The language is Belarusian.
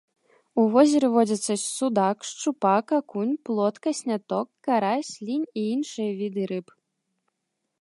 У возеры водзяцца судак, шчупак, акунь, плотка, сняток, карась, лінь і іншыя віды рыб.